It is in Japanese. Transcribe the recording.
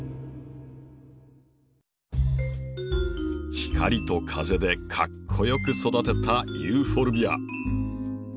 光と風でかっこよく育てたユーフォルビア。